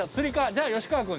じゃあ吉川君。